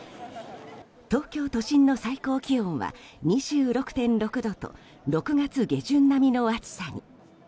東京都心の最高気温は２６．６度と６月下旬並みの暑さに。